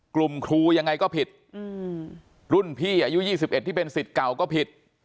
ครูยังไงก็ผิดรุ่นพี่อายุ๒๑ที่เป็นสิทธิ์เก่าก็ผิด